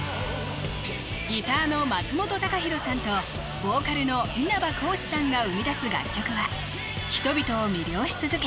ギターの松本孝弘さんとボーカルの稲葉浩志さんが生み出す楽曲は人々を魅了し続け